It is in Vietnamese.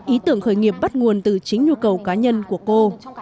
ý tưởng khởi nghiệp bắt nguồn từ chính nhu cầu cá nhân của cô